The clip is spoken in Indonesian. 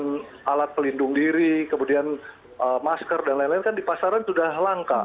kemudian alat pelindung diri kemudian masker dan lain lain kan di pasaran sudah langka